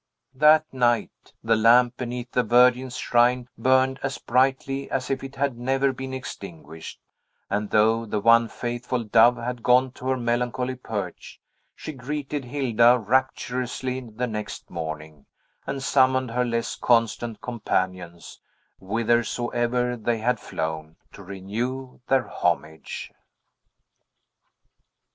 That night, the lamp beneath the Virgin's shrine burned as brightly as if it had never been extinguished; and though the one faithful dove had gone to her melancholy perch, she greeted Hilda rapturously the next morning, and summoned her less constant companions, whithersoever they had flown, to renew their homage.